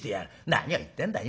何を言ってんだい